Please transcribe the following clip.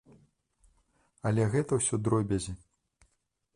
Але гэта ўсё дробязі.